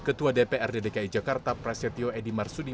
ketua dpr dki jakarta presetio edi marsudi